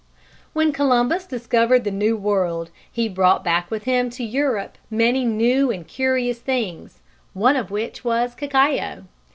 _ When Columbus discovered the New World he brought back with him to Europe many new and curious things, one of which was cacao.